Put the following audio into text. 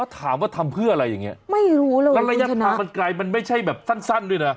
ถามว่าทำเพื่ออะไรอย่างนี้แล้วระยะทางมันกลายมันไม่ใช่แบบสั้นด้วยนะ